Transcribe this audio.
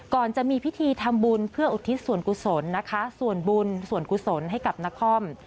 จะมีพิธีทำบุญเพื่ออุทิศส่วนกุศลนะคะส่วนบุญส่วนกุศลให้กับนคร